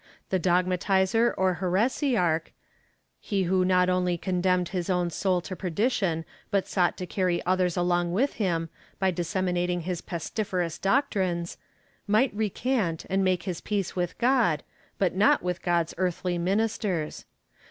The dogmatizer or here siarch — he who not only condemned his own soul to perdition but sought to carry others along with him, by disseminating his pestiferous doctrines — might recant and make his peace with God, but not with God's earthly ministers.